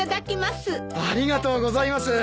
ありがとうございます。